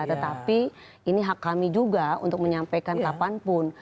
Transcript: tetapi ini hak kami juga untuk menyampaikan kapanpun